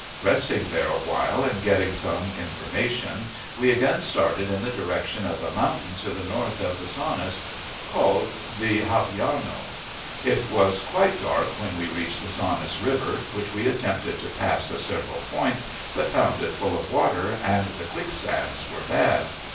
Resting there a while and getting some information, we again started in the direction of a mountain to the north of the Saunas, called the Gavillano. It was quite dark when we reached the Saunas River, which we attempted to pass at several points, but found it full of water, and the quicksands were bad.